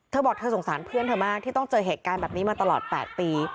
เธอบอกเธอสงสารเพื่อนเธอมากที่ต้องเจอเหตุการณ์แบบนี้มาตลอด๘ปี